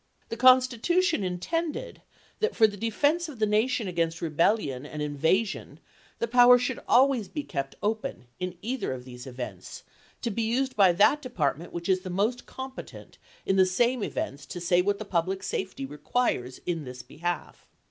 The Constitution intended that for the defense of the nation against rebellion and invasion the power should always be kept open in either of these events, to be used by that department which is the most competent in the same events to say what the public safety requires in this behalf.